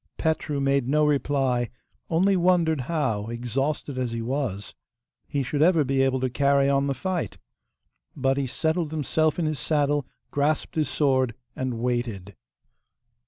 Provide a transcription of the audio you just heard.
Petru made no reply, only wondered how, exhausted as he was, he should ever be able to carry on the fight. But he settled himself in his saddle, grasped his sword, and waited.